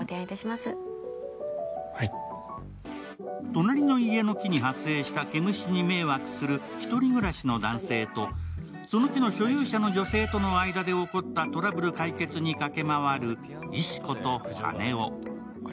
隣の家の木に発生した毛虫に迷惑する１人暮らしの男性とその木の所有者の女性との間で起こったトラブル解決に駆け回る石子と羽男。